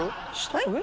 上？